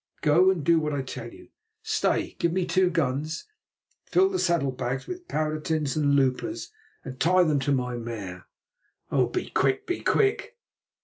Go and do what I tell you. Stay! Give me two guns, fill the saddle bags with powder tins and loopers, and tie them to my mare. Oh! be quick, be quick!"